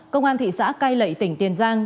công an thị xã cai lậy tỉnh tiền giang